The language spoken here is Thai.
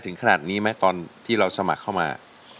ถึงขนาดนี้ไหมตอนที่เราสมัครเข้ามา